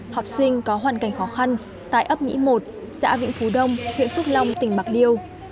học sinh có hoàn cảnh khó khăn tại ấp mỹ một xã vĩnh phú đông huyện phước long tỉnh bạc liêu